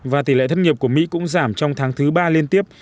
và tỷ lệ thất nghiệp của mỹ cũng giảm trong tháng thứ ba liên tiếp